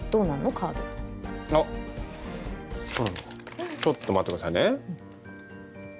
カードあっちょっと待ってくださいね